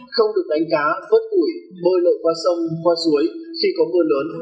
không được đánh cá vớt củi bơi lội qua sông qua suối khi có mưa lớn